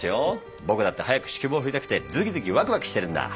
僕だって早く指揮棒振りたくてズキズキワクワクしてるんだ。